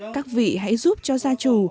các vị hãy giúp cho gia chủ